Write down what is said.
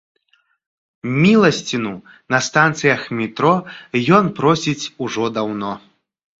Міласціну на станцыях метро ён просіць ужо даўно.